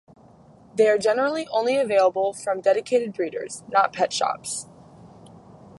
They are generally only available from dedicated breeders, not pet shops.